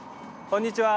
こんにちは。